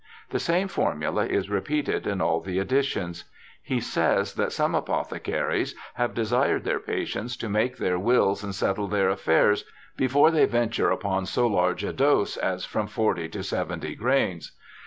The same formula is repeated in all the editions. He says that some apothecaries have desired their patients to make their wills and settle their affairs before they venture upon so large a dose as from forty to seventy grains.